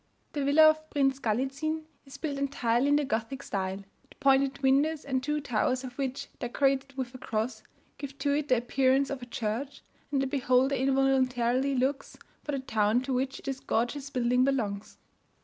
The villa of Prince Gallizin is built entirely in the Gothic style. The pointed windows, and two towers of which, decorated with a cross, give to it the appearance of a church, and the beholder involuntarily looks for the town to which this gorgeous building belongs.